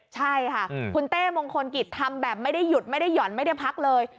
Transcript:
ใช่ค่ะคุณเต้มงพลกิจทำไม่ได้หยุดยอดพักเลย